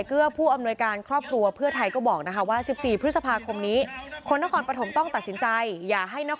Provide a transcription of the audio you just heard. เต่าโดยช่วยของอัศวินภาคที่เหลือ